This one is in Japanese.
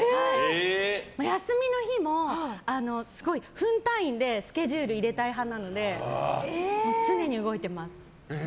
休みの日もすごい分単位でスケジュールを入れたい派なので常に動いてます。